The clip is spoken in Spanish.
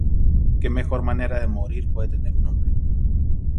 ¿Qué mejor manera de morir puede tener un hombre?